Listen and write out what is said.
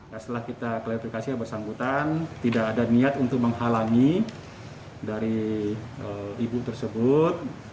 setelah kita kelewati kasih bersangkutan tidak ada niat untuk menghalangi dari ibu tersebut